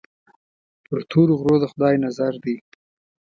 پر تورو غرو د خدای نظر دی.